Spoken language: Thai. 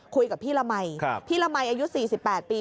คุยกับพี่ละมัยพี่ละมัยอายุ๔๘ปี